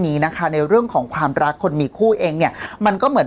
นี้นะคะในเรื่องของความรักคนมีคู่เองเนี่ยมันก็เหมือน